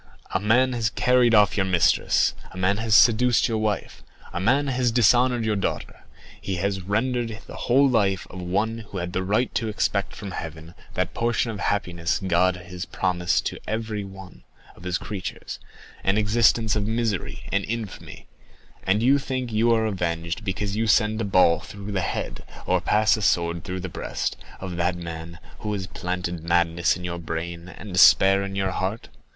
A man has carried off your mistress, a man has seduced your wife, a man has dishonored your daughter; he has rendered the whole life of one who had the right to expect from Heaven that portion of happiness God has promised to everyone of his creatures, an existence of misery and infamy; and you think you are avenged because you send a ball through the head, or pass a sword through the breast, of that man who has planted madness in your brain, and despair in your heart.